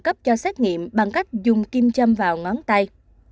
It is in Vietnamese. cấp cho xét nghiệm bằng cách dùng kim châm vào ngón tay